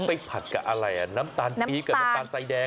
แป้งไซส์ปัดกับอะไรน่ะน้ำตาลปี๊บกับน้ำตาลสายแดง